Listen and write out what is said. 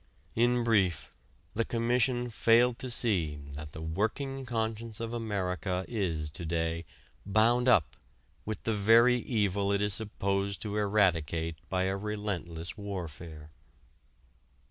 In brief, the commission failed to see that the working conscience of America is to day bound up with the very evil it is supposed to eradicate by a relentless warfare.